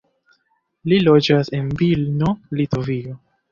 Li loĝas en Vilno, Litovio.